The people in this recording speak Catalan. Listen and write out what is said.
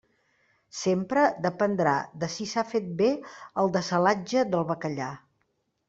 Sempre dependrà de si s'ha fet bé el dessalatge del bacallà.